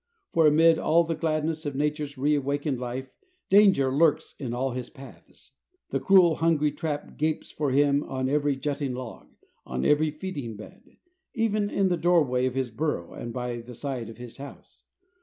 For, amid all the gladness of nature's reawakened life, danger lurks in all his paths; the cruel, hungry trap gapes for him on every jutting log, on every feeding bed, even in the doorway of his burrow and by the side of his house.